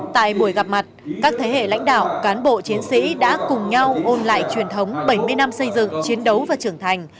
tại buổi gặp mặt các thế hệ lãnh đạo cán bộ chiến sĩ đã cùng nhau ôn lại truyền thống bảy mươi năm xây dựng chiến đấu và trưởng thành